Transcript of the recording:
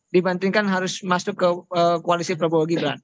dibandingkan harus masuk ke koalisi perpogiban